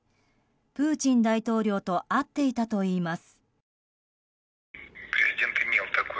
プーチン大統領と会っていたといいます。